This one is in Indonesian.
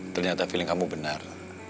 ternyata feeling kamu benar